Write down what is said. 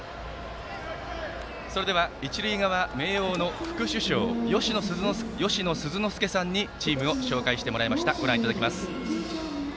それでは一塁側、明桜の副主将吉野鈴之助さんにチームを紹介してもらいました。